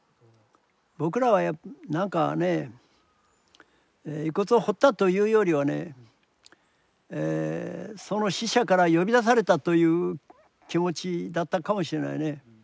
僕らは何かね遺骨を掘ったというよりはねその死者から呼び出されたという気持ちだったかもしれないね。